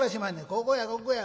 「ここやここや。